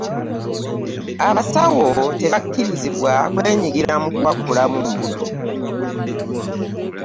abasawo tebakkirizibwa kwenyigira mu kuwakulamu mbuto.